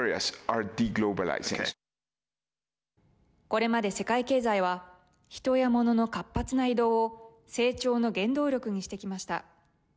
これまで世界経済は人やモノの活発な移動を成長の原動力にしてきました。